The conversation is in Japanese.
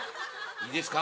いいですか。